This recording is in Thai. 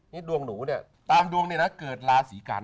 นี่ดวงหนูเนี่ยตามดวงเนี่ยนะเกิดราศีกัน